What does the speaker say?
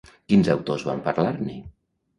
Quins autors van parlar-ne?